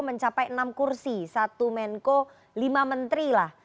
mencapai enam kursi satu menko lima menteri lah